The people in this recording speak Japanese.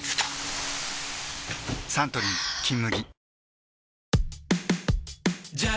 サントリー「金麦」